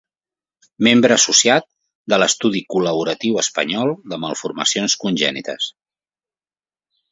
Membre associat de l'Estudi Col·laboratiu Espanyol de Malformacions Congènites.